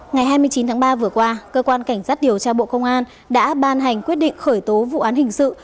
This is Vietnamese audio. ngày hai mươi chín tháng ba vừa qua cơ quan cảnh sát điều tra bộ công an đã ban hành quyết định khởi tố vụ án hình sự